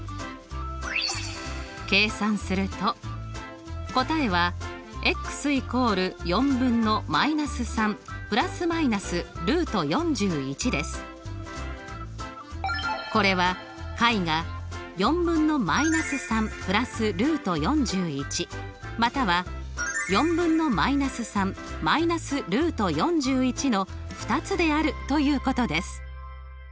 計算すると答えはこれは解が４分の−３＋ルート４１または４分の−３−ルート４１の２つであるということです！